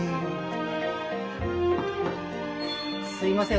すみません。